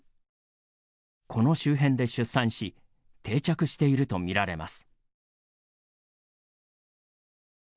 この周辺で出産し定着しているとみられます。